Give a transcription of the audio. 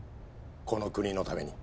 この国のために。